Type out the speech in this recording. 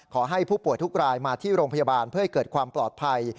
ขอให้ผู้ป่วยทุกรายมาที่โรงพยาบาลเพื่อให้เกิดความปลอดภัย